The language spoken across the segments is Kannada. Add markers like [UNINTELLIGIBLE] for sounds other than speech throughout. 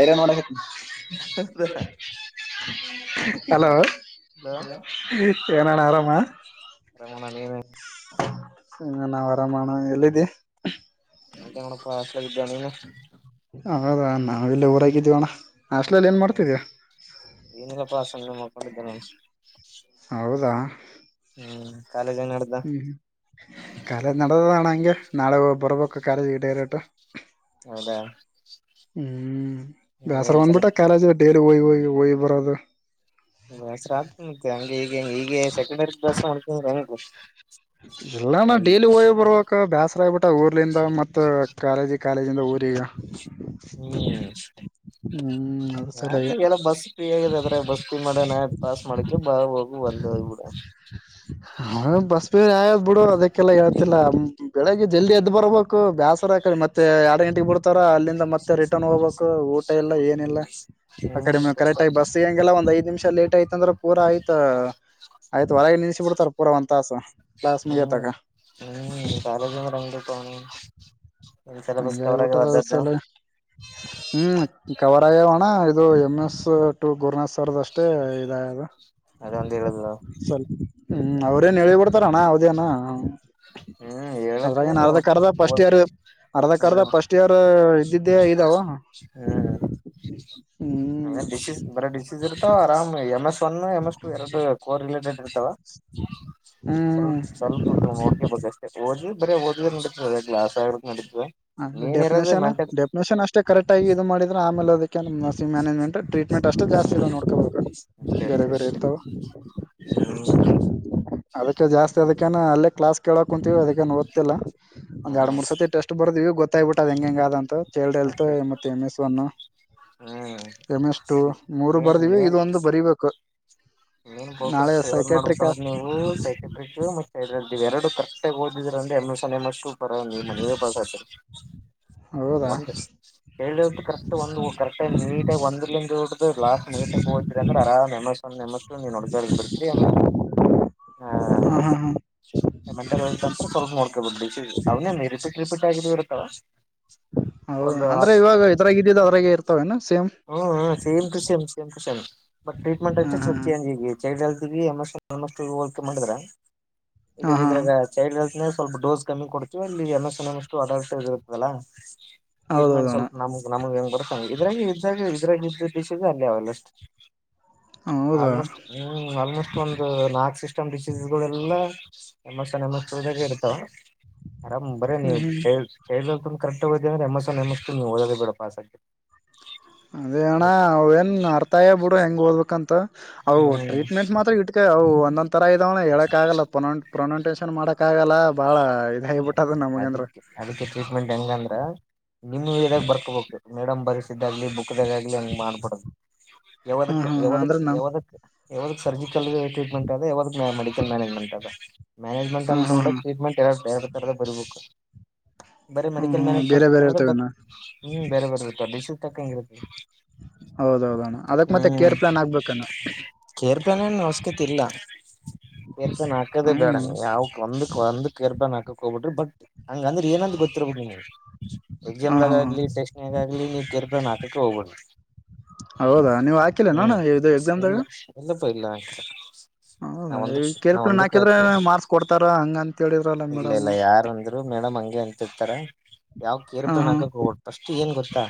ಐರನ್ ಮಾಡಬೇಕು. ಹಲೋ ಹಲೋ ಏನಣ ಆರಾಮ. ಹು. ಹಗ ನಾವ್ ಆರಾಮಣ ಎಲ್ಲಿದ್ದಿ. ಅಣ ಕಾಸ ಲಗಿದ್ದ ನೀ ನ. ಹದಾ ನಾಳ ಊರಕ್ಕಿಣ. ಹ್ಮ್ ಏನೆಲ್ಲ ಪ್ರಾಸನ ಮಾಡ್ಕೊಂಡಿದ್ದೇ ನನ್. ನಡ್ದ ಹ್ಮ್್ಮ ಕಲೆ ನದದಣಂಗ. ನಾಳೆ ಬರ್ಬೇಕು ಕಾಲೇಜುಗೆ ಡೈರೆಕ್ಟ್. ಹೌದಾ. ಹ್ಮ್ ಬೇಸರ ಏನ್ ಚಲ ಬಂದ್ಬಿಟ್ಟ ಕಾಲೇಜ್ ಡೇಲಿ ಹಯಿ ಹಯಿ ಹಯಿ ಬರೋದು. ದ ಹೆಸ್ರ ಆಗ್ತ ಮತ್ತೆ ಹಂಗ ಈಗ ಈಗೆ ಸೆಕೆಂಡರಿ ಕ್ಲಾಸ್ ಮಾಡೋಕ ಹೆಂಗು. ಎಲ್ಲ ನ ಡೈಲಿ ಹಓಯ್ ಬರ್ರುವಕ್ ಬೇಾಸರ ಆಗ್ಬಿಟ್ಟ ಊರ್ಲಿಂದ ಮತ್ತ ಕಾಲೇಜಿಗೆ. ಕಾಲೇಜಿಂದ ಊರಿಗೆ. ಹ್ಮ್ ಹ್ಮ್ ಅದ್ರ ಹಾಗ ಸಲುವಾಗಿ ಎಲ್ಲ ಬಸ್ ಆಗಿದೆ ಅದ್ರೆ ಬಸ್ ಮಾಡ. ನತ್ ಪಾಸ್ ಮಾಡಕೆ ಬಾ ಹೋಗ ಬಂದ ಕೂಡ. ಹಾ ಬಸ್ ಬೇ ಆಯದ್ ಬಿಡು ಅದಕ್ಕೆಲ್ಲ ಹೇಳ್ತಿಲ್ಲ ಬೆಳಗ್ ಜಲ್ದಿ ಎದ್ದ್ ಬರ್ಬೇಕು ಬೇಾಸರಾಕರಿ ಮತ್ತೆ ಎರಡು ಗಂಟೆಗೆಗ್ ಬಿಡ್ತಾರ. ಅಲ್ಲಿಂದ ಮತ್ತೆ ರಿಟರ್ನ್ ಹೋಗ್ಬೇಕು. ಇಲ್ಲ ಏನಿಲ್ಲ ಆ ಹ್ಮ್ ಕಷ್ಟ ಕರೆಕ್ಟ್ ಆಗಿ ಬಸ್ ಹಂಗೆಲ್ಲ ಒಂದ್ ಐದ ನಿಮಷ. ಷ ಲೇಟ್ ಆಯತಂದ್ರೆ ಪೂರ ಆಯ್ತ. ಆಯ್ತು ಹೊರಗೆ ನಿಸ ಬಿಡ್ತಾರ ಪೂರಾ ಒಂದ್ಾಸ ಕ್ಲಾಸ್ ಹ್ಮ್ ಮುಗಿಯತಾಗ. ಹ್ಮ್ ಕಾಲಜ ರಂಗ ಪಣ. ಅಂ ಊಟ್ಟ ದಸಲ್ಲ ಹ್ಮ್ ಕವರ್ ಆಗವನ. ಇದು ಎಂ ಎಸ್ ಟ ಗು. ತರದಷ್ಟೇ ಇದದು ಅದೊಂದ್ ಹೇಳುದು ಸ್ವಲ್ಪ. ಹ್ಮ್ ಅವ್ರೇಏನ್ ಹ ಹೇಳಿಬಡ್ತಾರಣ್ಣ ಅವದೇನಾ. ಹ್ಮ್ ಹೇಳಏಕ್ನೇನ್ ಓಡ್ತ ಫಸ್ಟ್ ಹೋದ. ಇಯರ್ ಅರ್ಧಕ್ ಅರ್ಧ ಫಸ್ಟ್ ಇಯರ್ ಇದ್ದಿದ್ದೆ ಇದಾವ. ಹ್ಮ್ ಹ ಡಶೀ ಬರ ಡಿಸೀಸ್ ಇರ್ತೋ ಆರಾಮ್ M S one M S two ಎರಡು ಕೋರ್ ರಿಲೇಟೆಡ್. ಸ್ಲ್ ಹ್ಮ್ ಸ್ವಲ್ಪ ನೋ. ಓದಿ ಬರ ಓದ ಅ ಗಲಾಸ ಆಗ. ಹ ಮೇನ್ ಇರೋದು ಡೆಫಿನೇಷನ್ ಮೆಂಟಲ್ ಡೆಫಿನೇಷನ್ ಅಷ್ಟೇ ಕರೆಕ್ಟ್ ಆಗಿ ಇದು ಮಾಡಿದ್ರ ಆಮೇಲೆ. ನರ್ಸಂಗ ಮ್ಯಾನೇಜೆಟ್ ಟೀಟ್ಮೆಂಟ್ ಅಷ್ಟ ಜಾಸ್ ಇದದೆ ನೋಡ್ಕೋಬದು. ಪ್ರೆಷರ್ಸ್ ಡೇ ಹು. ಅದಕ್ಕೆ ಜಾಸ್ತಿ ಅದಕ್ಕೇನು ಅಲ್ಲೇ ಕ್ಲಾಸ್ ಕೇಳೋಕ್ ಕುಂತೀವಿ ಅದಕ್ಕಏನ್ ಓದ್ತಿಲ್ಲ ಒಂದ್ ಎರಡು ಹ್ಮ್ ಮೂರ್ ಸರ್ತಿ ಟೆಸ್ಟ್ [UNINTELLIGIBLE] ಬರ್ದ್ವ ಗೊತ್ತಾಗ್ಬ ಬಿಟ್ಟ ಅ್ ಹೆಂಗ ಹೆಂಗ ಅಂತ ಚೇಳ್ರ ಎಲ್ತು ಅಷ್ಟೇ ಮತ್ತೆಮ್ನು [UNINTELLIGIBLE] ಹ್ಮ್ ಎಮ್ಮೆಷ್ಟು ಮೂರು ಬರ್ದೀವಿ ಇದೊಂದು ಬರಿಬೇಕು ಏನ್ ಪೋಕಸ್ ನಾಳೆ ಯಾವದ್ ಸೈಕೆಟ್ರಿಕ ಮಾಡ್ಬೇಕಂದ್ರೆ ನೀವು ಸೈಕೆಟ್ರಿಸ್ ಮತ್ ್ [UNINTELLIGIBLE] ಎರಡು ಕರೆಕ್ಟ ಆಗ ಓದಿದ್ರರ ಅಂದ್ರರಿ ಎಮ ಸ ಎಮ್ಮೂಪರ ನೀ ಮನವೇ ಕಲ್ಸ ಆತರಿ [UNINTELLIGIBLE] ಹೌದಾ ಒಂದೆ [UNINTELLIGIBLE] ಹೇಳಿು ಕರೆಕ್ಟ್ ಒಂದು ಕರೆಕ್ಟಾಗಿ ನೀಟಾಗಿ ಒಂದಂದ ಹಡ್ದು ಲಾಸ್ಟ್ ನೀಟಾಗಿ ಹೋದಿದ್ರ ಅಂದ್ರೆ ಆರಾಮ ಎಮ [UNINTELLIGIBLE] ನಮ್ಮಷ್ಟು ನೀನ್ ನಡದಾರ ಬಿಡ್ತರಿ ಹ್ಮ ಹಾ ಹಾ ಮೆಂಟತ್ ಅಂತ ಸ್ವಲ್ಪ ನೋಡ್ಕೊ [UNINTELLIGIBLE] ಬಡ್ಡಿ ಅವನ ರಿಪೀಟ್ ರಿಪೀಟ್ ಆಗಿದ ಇರುತ್ತವ [INAUDIBLE] ಹೌದ ಅಂದ್ರೆ ಇವಾಗ ಇದ್ರಾಗ್ ಇದಿದ್ ಅದ್ರಾಗ ಇರ್ತವ ಏ ಸೇಮ್ ಹ್ಮ್ ಹ same to same same to same but treatment ಹಾ ಅಷ್ಟ ಹಾ [UNINTELLIGIBLE] ಚಂಜ್ಗ ಐತ ಚೈಲ್ಡ್ ಹೆಲ್ತ್ ಹೋಲ್ಕೆ ಮಾಡಿದ ಹಾ ಹಾ ಇದ್ರಾಗ ಚೈಲ್ಡ್ ಹೆಲ್ತ್ ನ [UNINTELLIGIBLE] ಸ್ವಲ್ಪ ಡೋಸ್ ಕಮ್ಮಿ ಕೊಡ್ತೀವಿ ಇಲ್ಲಿ ಎಲ್ಲ [UNINTELLIGIBLE] ಸನಷ್ಟು ಅಡ ಇರುತ್ತದಲ್ಲ ಹೌದೌದ ಟ್ರೀಟ್ಮೆಂಟ್ ಅಣ್ಣ ಸ್ವಲ್ಪ ನಮ್ಗ್ ನಮಗೆ ಹೆಂಗ್ ಬರ್ಸಂಗ ಇದ್ರಾಗಿ ಇದಾಗ ಇದ್ರಾಗ [UNINTELLIGIBLE] ಿಸ ಅಲ್ಲಿ ಅವಲ್ಲಷ್ಟು ಹೌದಾ ಆಲ್ಮೋಸ್ಟ್ ಹ್ಮ್ ಆಲ್ಮೋಸ್ಟ್ ಒಂದ್ ನಾಕ್ ಸ್ [UNINTELLIGIBLE] ಡಿಸೀ ಗಳೆಲ್ಲ ನಮ್ಮಸ್ ನಮ್ಮಸ್ಾಗ ಇರ್ತಾವ ಆರಾಮ್ ಬರೀ ಹ್ಮ್ ನೀವ್ ಹ್ಮ್ ಚೈಲ್ಡ್ ಚೈಲ್ಡ್ ಕರೆಕ್ಟ್ ಓದ್ರೆ ಅಂದ್ರೆ ಎಮ್ ಎಸ್ನ್ ಎಮ್ ಎಸ್ ನೀವು ಓದದೆ ಬೇಡ ಪಾಸ್ ಆಗ್ತೀಯ ಅದೇ ಅಣ್ಣ ಅವೇನ್ ಅರ್ತಾಯ ಬಿಡು ಹೆಂಗ್ ಓದ್ಬೇಕಂತ ಅವು ಹ್ಮ್ ಟ್ರೀಟ್ಮೆಂಟ್ ಮಾತ್ರ ಇಟ್ಕ ಅವು ಒಂದೊಂದ್ ತರ ಇದವ್ ಹೇಳಕ್ ಆಗಲ್ಲ ಪೋನಂಟ್ ಪ್ರೊನಂಟೇಷನ್ ಮಾಡಕ ಆಗಲ್ಲ ಎಲ್ಲಾ ಬಾಳ ಇದಾಗಿಬಿಟ್ಟದ ನಮಗಂದ್ರ ಅದಕ್ಕೆ ಅದಕ್ಕೆ ಟ್ರೀಟ್ಮೆಂಟ್ ಹೆಂಗಂದ್ರ [UNINTELLIGIBLE] ನಿಮ ಇದಾಗ ಬರ್ಕೋಬೇಕು ಮೇಡಮ್ ಬರ್ಸಿದ್ದಾಗ್ಲಿ ಬುಕ್ದಾಗಾಗ್ಲಿ ಹಂಗ್ ಮಾಡ್ಬಿಡು ಯವದಕ್ ಹ್ಮ್ ಹ್ಮ್ ಯವದಕ್ ಅಂದ್ರೆ ನಾವ್ ಯವದಕ್ ಯಾವಾಗ ಸರ್ಜಿಕಲ್ ಟ್ರೀಟ್ಮೆಂಟ್ ಅದೆ ಯಾವಾಗ ಮೆಡಿಕಲ್ ಮ್ಯಾನೇಜ್ಮೆಂಟ್ ಅದೆ ಮ್ಯಾನೇಜ್ಮೆಂಟ್ ಅಂತ ಹ್ಮ್ [UNINTELLIGIBLE] ಹ್ಮ್ ಹ್ಮ್ ನೋೊಂಡ್ರೆ ಟ್ರೀಟ್ಮೆಂಟ್ ಎಲ್ಲಾರೇ್ರ ತಥರದ ಬರ್ಬೇಕು ಬರೇ ಹ್ಮ್ ಮೆಡಿಕಲ್ ಹ್ಮ್ ಬೇರೆ ಬೇರೆ ಮ್ಯಾನಂತಂದ್ರೆ ಬ ಇರ್ತವೇನ ಹ್ಮ್ ಬೇರೆ ಬರ್ತ್ತ ಬಿಸಿ ತಕ್ಕಂಗಿರತ್ ಹೌದೌದು ಅಣ್ಣ ಅದಕ್ ಮತ್ತೆ ಕೇರ್ ಪ್ಲಾನ್ ಆಗ್ಬೇಕಾನ ಕೇರ್ಪನ ಅವಶಕತಿ ಇಲ್ಲ ಕೇರ್ಪನ್ ಹಾಕದೇ ಹ್ಮ್ ಬೇಡ ಹ್ಮ್ ಯಾವಕ್ ಒಂದ್ ಒಂದ್ ಕೇರ್ಪನ್ ಹಾಕಕ್ ಹೋಗ್ಬಿಟ್ರಿ ಬಟ್ ಹಂಗ ಅಂದ್ರೆ ಇನಂತ ಗೊತ್ತಿರ್ಬಬೇಕು ನಿಂಗ ಹ್ಮ್ ಹ್ಮ್ ಎಕ್ಸಾಮ್ದಾಗಗ್ಲಿ ಟೆಸ್ಟ್ನಗಾಗಗ್ಲಿ ನೀವು ಕೆರ್ಬ ನಾಕಕ್ಕೆ ಹೋಗಬ [INAUDIBLE] ಹೌದಾ ನೀವ್ ಹಾಕಿಲ್ಲ ನೋಣ [UNINTELLIGIBLE] ಇದು ಎಕ್ಸಾಮ್ ದಾಗ ಇ ಇಲ್ಲ ಆಯ್ತ [UNINTELLIGIBLE] ಹೌದ ಈ ಕೇರ್ ಪಿಳನ್ ಹಾಕಿದ್ರೆ ಮಾರ್ಕ್ಸ್ ಕೊಡ್ತಾರ ಹಂಗ್ ಅಂತ ಹೇಳಿದ್ರಲ್ಲ ಇಲ್ಲ ಮೇಡಮ್ ಇಲ್ಲ ಯಾರ ಅಂದ್ರು ಮೇಡಮ್ ಹಂಗೆ ಅಂತಿರ್ತಾರ ಯಾವ್ ಹ ಹ ಕೇರ್ಪನಕ್ ಹೋಗ [UNINTELLIGIBLE] ಬೋಟ ಫಸ್ಟ್ ಏನ್ ಗೊತ್ತಾ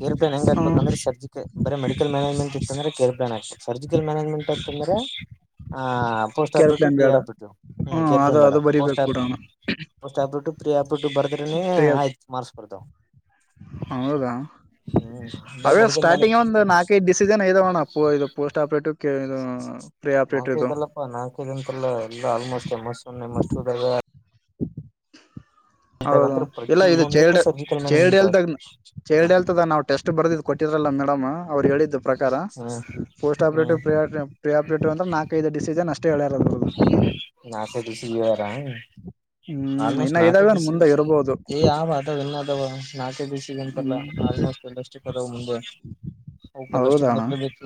ಕೇರ್ಪ್ ನ್ ಹೆಂಗ್ ಹ ಹಕ್ಬೇಕಂದ್ರೆ ಸರ್ಜಿಕ ಬರೆ ಮೆಡಿಕಲ್ ಮ್ಯಾನೇಜ್ಮೆಂಟ್ ಇತ್ತಂದ್ರೆ ಕೆರ್ ಸರ್ಜಿಕಲ್ ಮ್ಯಾನೇಜ್ಮೆಂಟ್ ಆತ್ ಅಂದ್ರೆ ಹ ಪೋಸ್ಟ್ ಕೇರ್ ಆಫಿಟ್ಟು ಪ್ಲಾನ್ ಕೆ ಬೇಡ ಆಕ್ಬಿಟ್ಟು ಹ ಹ್ಮ ಅದು ಕೇರ್ಪಿನ್ ಬೆಡ ಅದು ಪೋಸ್ಟ್ ಬರಿಬೇಕು ಆಫೀ ಬಿಡೋಣ ಸ್ಟ್ ಆಬಿಟ್ಟು ಪ್ರೀ ಆಬಿಟ್ಟು ಬರ್ದ್ರನೆ ಫ್ರೀ ಆಯ್ತು ಮಾರ್ಕ್ಸ್ ಬರ್ತ್ ವ್ ಹೌದಾ ಹ್ಮ್ ಬರ ಅವೇ ಮೆಡಿಕಲ್ ಮ್ಯಾಲ ಸ್ಟಾರ್ಟಿಂಗ್ ಒಂದ್ ನಾಲ್ಕೈದು ಡಿಸಜನ್ ಐದಾವಣ ಅಪ್ಪು ಇದು ಪೋಸ್ಟ್ ಆಪೀಟು ನಾಲ್ಕೈದಲ್ಲಪ್ಪಾ ನಾಲ್ಕೈದ ಅಂತಲ್ಲ ಎಲ್ಲ ಆಲ್ಮೋಸ್ಟ್ ಎಮ್ಮಸ್ಒನ್ ಎಮ್ಮೆಸ್ಟು [INAUDIBLE] ಹೌದು ಇದಾಗಂತ್ರ ಇಲ್ಲ ಪ್ರತಿ ಇದು ಒಂದಕ್ಕೂ child surgical child management health child health ನಾವು ಟೆಸ್ಟ್ ಬರ್ದ್ ಕೊಟ್ಟಿದ ಎಲ್ಲ ಮೇಡಂ ಅವ್ರು ಹೇಳಿದ್ದು ಪ್ರಕಾರ ಹ್ಮ್ ಪೋಸ್ಟ್ ಹ್ಮ್ ಆಪರೇಟಿವ್ ಪ್ರಿಯ ಪ್ರಿ ಆಪರೇಟಿವ್ ಅಂದ್ರ ನಾಕೈದು ಡಿಸೀಷನ್ ಅಷ್ಟೇ ಹೇಳ್ಯಾರ [UNINTELLIGIBLE] ಹ್ಮ್ ಆಲ್ಮೋಸ್ಟ್ ಇನ್ನ ನಾಕ್ ಐದು ಇದಾವೇನ್ ಮುಂದೆ ದಿವಸ್ ಇರ್ಬೋದು [UNINTELLIGIBLE] ತಲ್ಲ ಹ್ಮ್ ಆಲ್ಮೋಸ್ಟ್ ಪಲಾಸ್ಟಿಕ್ ಅದ ಮುಂದು ಪಲಾಸ್ಟಿಕ್ ಹೌದಣ ಬರ್ಲ್ಯಾಬೇಕ್.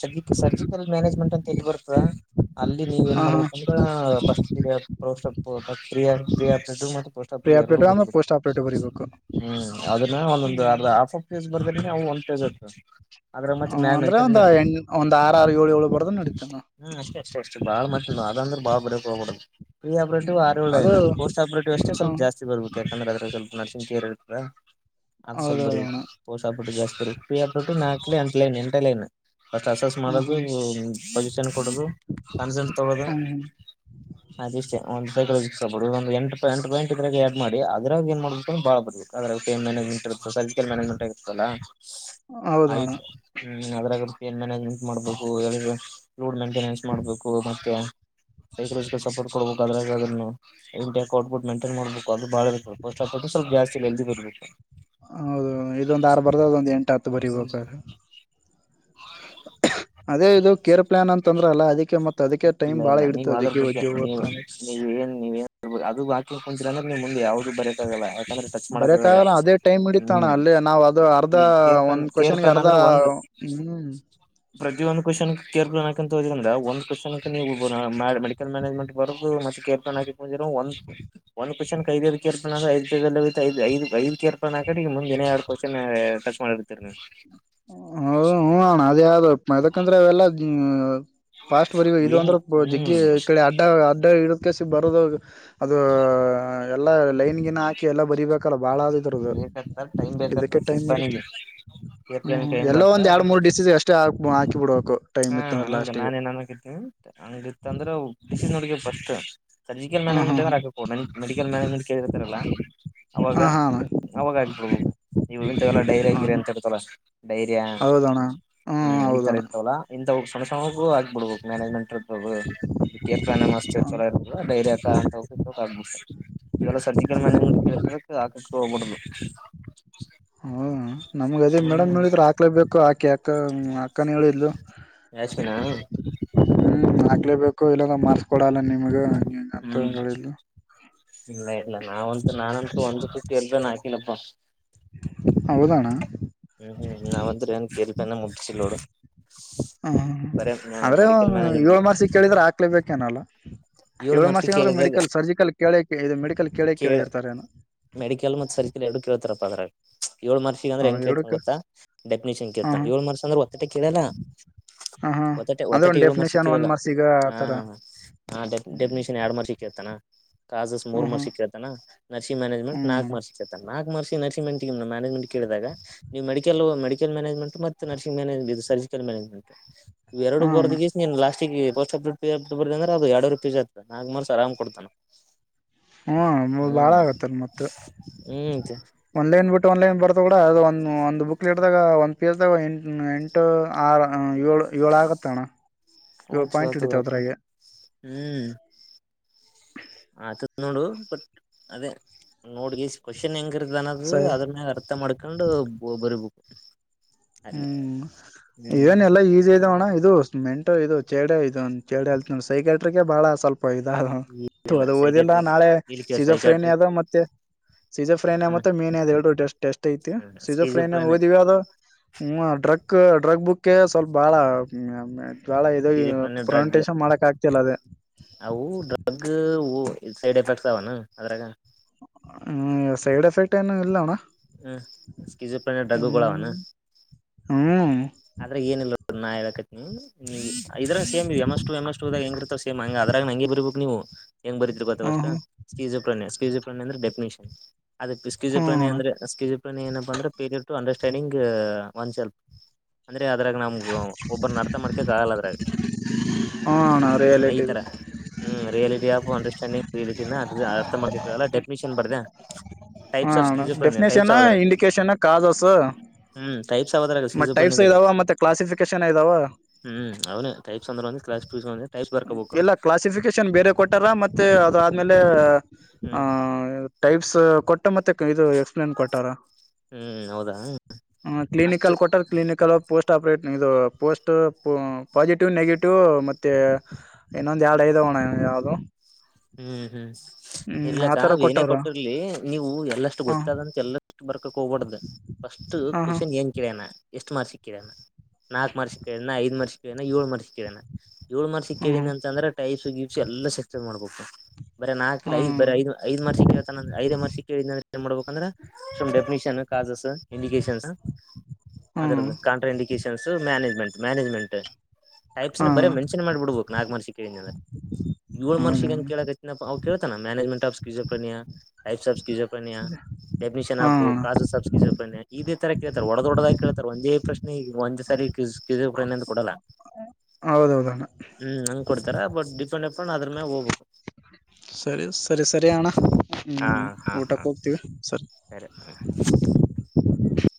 ಸರ್ಜ್ ಸರ್ಜಿಕಲ್ ಮ್ಯಾನೇಜ್ಮೆಂಟ್ ಅಂತ ಎಲ್ಲಿ ಬರುತ್ತಾದಾ. ಇಲ್ಲಿ ನೀವ ಏನ್ ಹಾ ಹಾ ಮಾಡ್ಬೇಕಂದ್ರ ಫಸ್ಟ್ ಪ್ರ. ಫ್ರೀ ಫ್ರೀ ಪ್ರೀ ಆಪ್ರೇಟಿವ್ ಆಮೇಲೆ ಹತ್ತಿದ್ [UNINTELLIGIBLE] ಪೋಸ್ಟ್ ಆಪ್ರೇಟಿವ್ ಬರಿಬೇಕು ಹ್ಮ್ ಅದನ್ನ ಒಂದೊಂದು ಹ್ಮ್ ಅರ್ಧ ಹಾಫ್ ಆಫ್ ಪೇಜ್ ಬರ್ದ್ರ ಅವ್ ಒಂದ್ ಪೇಜ್ ಆತದ್. ಹ್ಮ್ ಅಂದ್ರೆ ಒಂದ ಒಂದ್ ಆರ ಆರು ಏಳು ಏಳು ಬರ್ದರ್ ನಡೀತದ್ ಏನ್. ಅದ ಅಂದುರ್ ಭಾಳ್ ಬರೀಲಾಕ್ ಹೋಗ್ಬಾರ್ದು ಫ್ರೀ ಆಪರೇಟರ್ ಹ್ಮ್ ಆರು ಎಳು ಅದು ಲೈನು ಪೋಸ್ಟ್ ಆಪೇಟಿವ್ ಅಷ್ಟೇ ಸ್ವಲ್ ಹ್ಮ್ ಜಾಸ್ತಿ ಬರ್ಬೇಕು ಯಕಂದ್ರೆ ಅದ್ರಾಗ. ನರಸಿಂಗ್ [UNINTELLIGIBLE] ಅದ ಸ್ವಲ್ಪ ಹೌದೌದು ಅಣ್ಣ ಬರ್ಬೇಕು ಪೋಸ್ಟ್ ಆಪರೇಟರ್ ಜಾಸ್ತಿ ಬರಬೇಕ್ ಫೀ ಆಪರೇಟರ್ ನಾಕ ಇಲ್ಲ ಎಂಟ ಲೈನ್ ಎಂಟ ಲೈನು. ಫಸ್ಟ್ ಅಸಸ್ ಹ್ಮ್ ಮಾಡೋದು ಹ್ಮ್ ಪೊಸಿಷನ್ ಕೊಡದು. ಕನ್ಸಲ್ಟ್ ತಗೋಳದು ಹ್ಮ್ ಹ್ಮ್ ಅದಷ್ಟೇ ಒಂದು. ಒಂದ್ ಎಂಟ ಪಿಂಟ್ ಇದ್ರಗ್ ಆಡ್ ಮಾಡಿ ಅದ್ರಾಗ ಏನ್ ಮಾಡಬೇಕ ಅದ್ರ್ ಬಾಳ ಬರ್ಬೇಕ ಅದ್ರಾಗ ಪೇ. ಸೊಸೈಟ ಕೆ ಮ್ಯಾನೇಜ್ಮೆಂಟ್ ಆಗಿರ್ತ್ತಲ್ಲ ಹೌದ ಅಣ್ಣ ಆಯ್ತು ಹ್ಮ ಅದ್ರಾಗ. ಏನ್ ಮ್ಯಾನೇಜ್ಮೆಂಟ್ ಮಾಡ್ಬೇಕು ರೋಡ್ ಮೇಂಟೆನೆನ್ಸ್ ಮಾಡ್ಬೇಕು ಮತ್ತೆ. ಸಪೋರ್ಟ್ ಕೊಡ್ಬೇಕು ಅದರಾಗ್ ಆದ್ರಿ ನೀವ್ ಮೈಂಟೈನ್ ಮಾಡ್ಬೇಕು ಅದು ಬಾಳ ಇರ್ತದೆ ಪೋಸ್ಟ್. ಸ್ವಲ್ಪ ಜಾಸ್ತಿಲ್ಲ ಎಲ್ದಿ ಬರ್ಬೇಕು. ಹೌದೌದು ಇದೊಂದ್ ಆರು ಬರ್ದ ಅದೊಂದ್ ಎಂಟ ಹತ್ತು ಬರಿಬೇಕ್ರ. [INAUDIBLE] ಅದೇ ಇದು ಕೇರ್ ಪ್ಲಾನ್ ಅಂತ ಅಂದ್ರಲ್ಲ ಅದಿಕ್ಕೆ. ಇಲ್ಲ ಇಲ್ಲ ನೀವು ಅದ್ರ ಬಗ್ಗೆ ಓದ್ತ ನೀವು ಅಂದ್ರೆ ನೀವ ಏನ್ವ ಅದು ಬಕ್. ಮುಂದೆ ಯಾವ್ದೂ ಬರಕ್ ಆಗಲ್ಲ ಯಾಕಂದ್ರೆ ಟಚ್ ಮಾಡಕ ಬರಕ್ ಆಗಲ್ಲ ಅದೇ ಟೈಮ್ ಹಿಡಿತಣ ಹ್ಮ್. ಅಲ್ಲೇ ನಾವ್ ಅದು ಅರ್ಧ ಒಂದ್ ಕೇರ್ ಕ್ವಶನ್ಗೆ ಪೆನ್ ಅರ್ಧ ಅಂದ್ರೆ ಒಂದು ಹ್ಮ್ ಪ್ರತಿಯೊಂದು ಕ್ವಶನ್ ಕೇರ್ ಪನ್ ಹಾಕಂತ ಹೋದ್ರ್ ಒಂದ. ವನ್ ನೀವು ಮೆಡಿಕಲ್ ಮ್ಯಾನೇಜ್ಮೆಂಟ್ ಬರೆ ಮತ್ತೆ ಕೇರ್ಫೋನ್ ಒಂದ್ ಒಂದ್ ಕ್ಯೂಷನ್. ಐದೈಐ ಕರ್ನ್ ಐದುಐ ಐ ಐದು ಐದು ಕರ್ಪನ್ ಹಾಕಡಿ ಈಗ ಮುಂದ್ ಎನ್ನ ಎರಡ್ ಕ್ಯೂಷನ್ ಟಚ್ ಮಾಡಿರ್ತೀರ ನೀವ್. ಹ [UNINTELLIGIBLE] ಹೌದ ಹ್ಮ್ ಅಣ್ಣಾ ಅದ ಯಾವ್ದಪ್ಪ ಅದಕಂದ್ರೆ ಅವೆಲ್ಲ. ಫಾಸ್ಟ್ ಬರಿ ಇದು ಅಂದ್ರೆ ಏನಿಲ್ಲ ಜಗ್ಗಿ ಈ ಹ್ಮ್ ಕಡೆ ಅಡ್ಡ ಅಡ್ಡ ಇಡೋದಕಸ ಬರೋದು. ಅದು ಎಲ್ಲ ಲೈನ. ಈಗಿನ ಹಾಕಿ ಎಲ್ಲಾ ಬರಿಬೇಕಲ್ಲ ಬಾಳ ಆದಿದ್ರದು ಬೇಕತ್ತ ಟೈಮ್ ಇದಕ್ಕೆ ಬೇಕತ್ತ ಕೇರ್ ಟೈಮ್ ಹಿಡಿತದ್. ಪ್ಲಾನಿಗೆ ಕೇರ್ ಪ್ಲಾನಿಗೆ ಹ್ಮ್ ಟೈಮ್ ಎಲ್ಲ ಬತ್ತ ಒಂದ ಎರಡ್ ಅದಕ್ಕೆ ಮೂರ್ ಡಿಸಸ ಎಷ್ಟಾಕ್ ಹಾಕಿ ಬಿಡಬೇಕು. ಹಾ ಹಂಗ ನಾನ್ ಏನ್ ಅನ್ಕಿದನಿ ಹಂಗಿತ್ತ ಅಂದ್ರ ಬಿಸಿ ನೋಡ್ಗ ಫಸ್ಟ್. ಸರ್ಜಿಕಲ್ ಹ ಹಾ ಮ್ಯಾನೇಜ್ಮೆಂಟ್ ಇದ್ದೂರ್ ಹಾಕ್ಬೇಕು ಮೆಡಿಕಲ್ ಮ್ಯಾನೇಜ್ಮೆಂಟ್ ಕೇಳಿರ್ತಾರಲ್ಲ. ಅವಾಗ ಹ ಹಾ ಅಣ್ಣ ಅವಾಗ ಆಗ್ಬಿಡ್ಬೇಕು ಇವ ಇಂತವೆಲ್ಲ ಡೈರಿ ಹ ಆಗಿರಿ ಅಂತ ಇರ್ತಲ್ಲ ಡೈರಿಯ ಹೌದಣ್ಣ ಹ್ಮ್ ಈ ತರ ಹೌದಣ್ಣ ಇರ್ತವಲ್ಲಾ ಇಂತ ಸಣ್ಣ ಸಣಗು. ಬಿಡ್ಬಕ್ ಮ್ಯಾನೇಜ್ಮೆಂಟ್ ಇರ್ಬರ್ ಹ ಹ್ಮ್ ಚಲ ಇರ್ತದ ಡೈರ್ಯ ಅಂತ ಹೋಗ ಇ ಈವೆಲ್ಲ ಸರ್ಜಿಕಲ್ ಮ್ಯಾನೇಜ್ಮೆಂಟ್ ಹಾಕೆಕ್ ಹೋಗ್ಬಡದು. ಹ ನಮ್ಗ ಅದೇ ಮೇಡಮ್ ಹೇಳಿದ್ರ ಹಾಕ್ಲೇ ಬೇಕು ಆಕೆ ಅಕ್ಕ ಅಕ್ಕನ ಹೇಳಿದ್ಲು. ಯಾಸ್ಮಿನಾ ಹಾಕ್ಲೇ ಬೇಕು ಇಲ್ಲದ ಮಾರ್ಕ್ಸ್ ಕೊಡಲ್ಲ ನಿಂಗು ನೀನಂತೂ ಹ್ಮ್ ಹೃಲಿಲ್ಲ. ಇಲ್ಲ ಇಲ್ಲ ನಾವಂತೂ ನಾನಂತೂ ಒಂದು ಸತಿ ಎಕ್ಸಾಮ್ ಹಾಕಿಲ್ಲಪ್ಪ. ಹೌದಣ್ಣ ಹ್ಮ್ ಹ್ಮ್ ನಾವಂದ್ರೆ ನ್ ಕೇಲ್ತನ ಮುಗ್ಸಿಲ್ ನೋಡು. ಹ ಬರೇ ಅಂದ್ರೆ ಮೆಡಿಕಲ್ ಮ್ಯಾನೇಜ್ ಏಳು ಮಾರ್ಕ್ಸ್ಯಿಗ್ ಕೇಳಿದ್ರೆ ಹಾಕ್ಲೇ ಬೇಕೇನೋ ಅಲ್ಲ. ಏಳ್ ಏಳು ಮಾರ್ಕ್ಸ್ ಮಾರ್ಕ್ಸ್ಯಿಗ್ ಅಂದ್ರೆ ಕೇಳಿದಾಗ ಮೆಡಿಕಲ್ ಸರ್ಜಿಕಲ್ ಕೇಳ ಇದು ಮೆಡಿಕಲ್ ಕೇಳ ಕೇಳಿರ್ತಾರೆನೊ. ಮೆಡಿಕಲ್ ಮತ್ ಸರ್ಚಕಲ್ ಎರಡು ಕೇಳ್ತಾರಪ್ಪ ಅದ್ರಾಗ. ಏಳು ಮಾರ್ಕ್ಸ್ಯಿಗ್ ಅಂದ್ರ ಹ ಹೆಂಗ್ ಕೇಳ್ತನ್ ಎರಡಕ್ಕ ಗೊತ್ತ ಡೆಫಿನೇಷನ್ ಹೆಂಗ ಹ ಕೇಳ್ತಾನ ಏಳ್ ಮರ್ಸ ಅಂದ್ರ ಒತ್ತಟ್ಟ ಕೇಳಲ್ಲ. ಹ ಹ ಹೊತಟೆ ಅಂದ್ರೆ ಒತ್ತಟೆ ಒಂದ್ ಏಳು ಮಾರ್ಕ್ಸ್ಯಿಗ್ ಡೆಫಿನೇಷನ್ ಒಂದ್ ಕೇಳಲ್ಲಾ ಮಾರ್ಕ್ಸಿಗ ಹಾ. ಆತರ ಹ್ಮ್ ಡೆಫಿನಿಷನ್ ಎಡ್ ಮಾರ್ಕ್ಸ್ಯಿಗ್ ಕೇಳ್ತಾನ. ಕಾಸಸ್ ಮೂರು ಹ್ಮ್ ಮಾರ್ಕ್ಸ್ಯಿಗ್ ಕ್ರಳ್ತನ ನರ್ಸಿಂಗ್ ಮ್ಯಾನೇಜ್ಮೆಂಟ್ ಹ್ಮ್ ನಾಲ್ಕು ಅಣ್ಣ ಮಾರ್ಕ್ಸ್ಯಿಗ್ ಕೇಳ್ತಾನ್ ನಾಲ್ಕ್ ಮಾರ್ಕ್ಸ್ಯಿಗ್ ನರ್ಸಿಂಗ್ ಮ್ಯಾನೇಜ್ಮೆಂಟ್. ಮಾನೇಜ್ಮೆಂಟ್ ಕೇಳಿದಾಗ ನೀವು ಮೆಡಿ ಕೆಲ್ ಮೆಡಿಕಲ್ ಮ್ಯಾನೇಜ್ಮೆಂಟ್ ಮತ್ತು ನರ್ಸಂಗ್ ಮ್ಯೇಜಂಟ್ ಸರ್ಜಿಕಲ್ ಮ್ಯಾನೇಜ್ಮೆಂಟ್ ಇವ ಎರಡು ಹಾ ಬರದ ಅಣ್ಣ ಕ್ಯಾಸೀಂದ ಲಾಸ್ ಚ ಪೋಸ್ಟ್ ಬ ಅಂದ್ರೆ ಅದು ಎರಡವರ್ ಪೀಸ್ ಆತು ಮರ್ಸ ಆರಾಮಗ್ ಕೊಡ್ತಾನ. ಹ್ಮ ಬಾಳ ಹ್ಮ್ ಆಗತ್ತಲ್ ಮತ್ತ ಹ್ಮ್ ಒನ್ಲೈನ್ ಬಿಟ್ಟು ಒನ್ಲೈನ್ ಬ ಕೂಡ ಅದು ಒಂದು ಒಂದು ಬುಕ್ಲೆಟ್ದಾಗ ಒಂದ ಪೇಜ್ದಾಗ ಎಂಟು ಆರು ಏಳು ಏಳು ಆ ಗತ್ತಣ [UNINTELLIGIBLE] ಹ್ಮ್ ಆತದ ನೋಡು ಬಟ್ ಅದೇ ನೋಡ್ಗೆ ಕ್ವಶನ್ ಹೆಂಗಿರ್ ನ್ನದು ಸ ಅದ್ರ ಮ್ಯಾಗ ಅರ್ಥ ಮಾಡ್ಕೊಂಡು ಬರಿಬೇಕು ಅಲ್ಲಿ ಹ್ಮ್ ಏನ್ ಹ್ಮ್ ಎಲ್ಲಾ ಈಜಿ ಇದಾವಣ್ಣ ಇದು ಮೆಂಟು ಇದು ಚೇಡ ಇದು ಚೇಡ ಅತ್ ಸೈಕ್ಯಾಟ್ರಿಕ್ ಬಾಳ ಸ್ವಲ್ಪ್ ದಾರ ಏನಿಲ್ಲ ಅದು ಓದಿಲ್ಲ ಸೈಕಾಟ್ರಿಕ್ ನಾಳೆ ಇಲ್ಲಿ ಕೇಳು ಸೈಕಾಟ್ರಿಕ್ ಸಿಜೋಫ್ರೇನಿಯದ ಮತ್ತೆ ಸೀಜೋಫ್ರೇನಿಯ ಹ ಮತ್ತೆ ಮೇನಿ ಅದು ಎರಡು ಟೆಸ್ಟ್ ಐತಿ ಹ ಸೀಜೋಫ್ರೇನಿಯ ಸ್ಕಿಜೋಫ್ರೆನಿಯಾ ಓದಿವಿ ಅದ ಡ್ರಗ್ ಡ್ರಗ್ ಬುಕ್ಕಗೆ ಸ್ವಲ್ಪ ಬಾಳ ಜಾಳ ಇದ ಸ್ಕಿಜೋಫ್ರೆನಿಯಾ ಡ್ರಗ್ ಪುರಾನ್ಟೇಶನ್ ಮಾಡಕ್ ಆಗ್ತಿಲ್ಲ ಅದೇ ಇ ಸೈಡ್ ಎಫೆಕ್ಟ್ಸ್ ಅವನ ಅದ್ರಾಗ ಸೈಡ್ ಎಫೆಕ್ಟ್ ಏನು ಇಲ್ಲಣ್ಣ [UNINTELLIGIBLE] ಹ್ಮ್ ಅದ್ರಾಗ ಏನಿಲ್ಲ ನಾ ಇದ್ರಾಗ ಸೇಮ್ ಎಮಸ್ಟೂ ಎಮಸ್ಟೂ ದಾಗ ಹೆಂಗಿರ್ತದ್ ಸೇಮ್ ಹಂಗ ಅದ್ರಾಗನಂಗೆ ಬರಿಬೇಕ್ ನೀವು ಹೆಂಗ್ ಬರೀತಿರಿ ಗೊತ್ತ ಹ ಫಸ್ಟ್ ಹ ಸ್ಕಿಜು ಪ್ರನ್ಯ ಸ್ಕಿಜು ಪ್ರನ್ಯ ಅಂದ್ರೆ ಡೆಫಿನಿಷ ಅದಕ್ ಸ್ಕಿಜು ಪ್ರನ್ಯ ಹಣ ಅಂದ್ರೆ ಸ್ಕಿಜು ಪ್ರನ್ಯ ಏನಪ್ಪ ಅಂದ್ರೆ period to understanding one self ಅದ್ರಾಗ ನಮ್ಗ ಒಬ್ಬರ್ನರ್ಥ ಮಾಡ್ಕಕ್ ಆಗಲ್ಲ ಅದ್ರಾಗ ಹಣ ಹ್ಮ್ ಈ ರಿಯಾಲಿಟಿ ತರ ಹ್ಮ್ ರಿಯಾಲಿಟಿ ಅಂಡ ಚೆನ್ನಿ ದಿನ ಅ ಅರ್ಥ ಮಾಡ್ಕಕಾಗಲ್ಲ ಡೆಫಿನಿಷನ್ ಬರ್ದ್ಯಾ ಹಾ ಡೆಫಿನೇಷನ್ ಇಂಡಿಕೇಶನ್ ಕಾದೋಸ್ ಹ್ಮ್ ಟೈಪ್ಸ್ ಯಾವದ್ರಾಗ ಮತ್ತ ಟೈಪ್ ಸ್ಕಿಜೋಫ್ರೆನಿಯಾದಾಗ ಇದಾವ ಮತ್ತೆ ಕ್ಲಾಸಿಫಿಕೇಶನ್ ಇದಾವ ಕ್ಾಸ್ುಸ್ಂದೆ ಇಲ್ಲ ಕ್ಲಾಸಿಫಿಕೇಶನ್ ಬೇರೆ ಕೊಟ್ಟಾರ ಮತ್ತೆ ಅದಾದ್ಮೇಲೆ ಆ ಹ್ಮ್ ಟೈಪ್ ಸ ಕೊಟ್ಟ ಮತ್ತೆ ಇದು ಎಕ್ಸಪ್ಲೇನ್ ಕೊಟ್ಟಾರ ಹ್ಮ್ ಹೌದಾ ಹಾ ಅಷ್ಟು ಕ್ಲಿನಿಕಲ್ಲಿ ಕೊಟ್ಟಾರ ಕ್ಲಿನಿಕ ಪೋಸ್ಟ್ ಆಪ್ರೇಟ್ ಇದು ಪೋಸ್ಟ್ ಪಾಸಿಟಿವ್ ನೆಗೆಟಿವ್ ಮತ್ತೆ ಇನ್ನೊಂದ ಯಾಡ್ ಐದಾವಣ್ಣ ಯಾವ್ದು ಹ್ಮ್ ಹ್ಮ್ ಹ್ಮ್ ಇರ್ಲಾಕ್ಕ ಆತರ ಏನೇ ಕೊಟ್ಟವ್ರ ಕೊಟ್ಟಿರ್ಲಿ ನೀವು ಎಲ್ಲಷ್ಟು ಹ ಗೊತ್ತಾದಂತ ಎಲ್ಲಷ್ಟು ಬರ್ ಕೋಗ್ಬಡದು ಫಸ್ಟ್ ಹ ಹ ಕ್ವಶನ್ ಏನ್ ಕೇಳ್ಯಾನ ಎಷ್ಟು ಮಾರ್ಕ್ಸಗ ಕೇಳ್ಯಾನ ನಾಕ್ ಮಾರ್ಕ್ಸಗ ಕೇಳ್ಯಾನ ಐದ ಮಾರ್ಕ್ಸಗ ಕೇಳ್ಯಾನ ಏಳು ಮಾರ್ಕ್ಸಗ ಕೇಳ್ಯಾನ ಏಳು ಮಾರ್ಸಿಗ್ ಹ್ಮ್ ಕೇಳಿದ್ನಂತಂದ್ರ ಟೈಪ್ಸ್ ಗೀಪ್ಸಿ ಎಲ್ಲ ಸೆಕ್ಷನ್ ಮಾಡ್ಬೇಕು ಬರೆ ನಾಕ್ ಹ್ಮ್ ಐದ ಬರೆ ಐದ್ ಐದ್ ಮಾರ್ಕ್ಸಿಗೆ ಕೇಳ್ತಾನ ಐದೇ ಮಾರ್ಕ್ಸಿಗೆ ಕೇಳಿದ್ನ ಏನ್ ಮಾಡ್ಬೇಕಂದ್ರೆ ಸಂ ಡೆಫಿನಿಷನ್ ಕಾಸಸ್ ಇಂಡಿಕೇಶನ್ಸ್ ಹ್ಮ್ ಅದ್ರದ್ದ contraindications management management types ನ ಬರೆ ಹ್ಮ್ ಮೆನ್ಷನ್ ಮಾಡ್ಬಿಡ್ಬೇಕು ನಾಕ್ ಮಾರ್ಕ್ಸೀಗ್ ಕೇಳಿದ್ನಂದ್ರ ಏಳ ಹೌದ ಮಾರ್ಕ್ಸೀಗ ಕೇಳಕತ್ತಿದ್ನಪ್ಪ ಅವ್ ಕೇಳ್ತಾನ management of schizophrenia types of schizophrenia definition ಹಾ of causes of schizophrenia ಇದೇ ತರ ಕೇಳ್ತಾರೆ ಒಡದೊಡದಾಗ ಕೇಳ್ತಾರೆ ಒಂದೇ ಪ್ರಶ್ನೆ ಈ ಒಂದ ಸ ಸ್ಕಿಜೋ ಪ್ರೇನಿಯ ಕೊಡಲ್ಲ ಹೌದೌದಣ್ಣ ಹ್ಮ ಹಂಗ್ ಕೊಡ್ತಾರ ಬಟ್ ಡಿಪೆಂಡ್ ಅದ್ರ ಮ್ಯಾಗ ಹೋಗ್ಬಕು ಸರಿ ಸರಿ ಸರಿ ಅಣ್ಣ ಹಾ ಹ್ಮ ಹಾ ಹಾ ಊಟಕ್ಕೆ ಹೋಗ್ತೀವಿ ಸರಿ [INAUDIBLE]